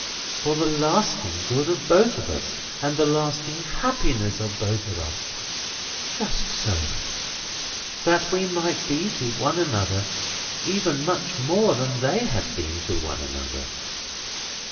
"For the lasting good of both of us, and the lasting happiness of both of us?" "Just so." "That we might be to one another even much more than they had been to one another?"